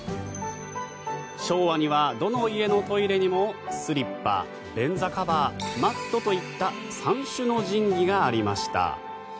昭和にはどの家のトイレにもスリッパ、便座カバーマットといった三種の神器がありました。